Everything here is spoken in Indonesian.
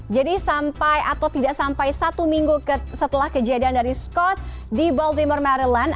jadi sampai atau tidak sampai satu minggu setelah kejadian dari scott di baltimore maryland